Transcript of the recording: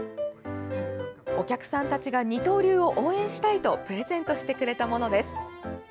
お客さんたちが二刀流を応援したいとプレゼントしてくれたものです。